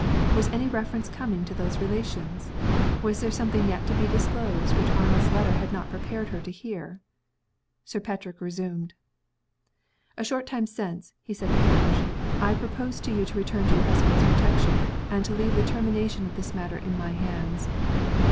Was any reference coming to those relations? Was there something yet to be disclosed which Arnold's letter had not prepared her to hear? Sir Patrick resumed. "A short time since," he said to Blanche, "I proposed to you to return to your husband's protection and to leave the termination of this matter in my hands.